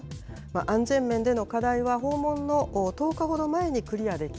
安全面での課題は、訪問の１０日ほど前にクリアでき